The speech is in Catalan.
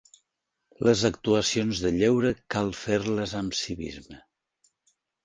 Les actuacions de lleure cal fer-les amb civisme.